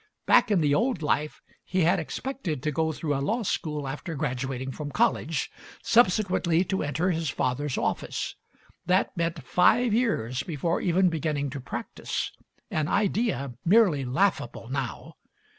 Back in the old life, he had expected to go through a law school after graduating from college, subse quently to enter his father's office. That meant five years before even beginning to practice, an idea merely laughable now.